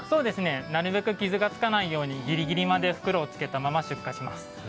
なるべく傷が付かないように、ぎりぎりまで袋をつけたまま収穫します。